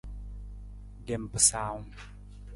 Lem pasaawung.